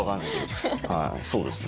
はいそうですね。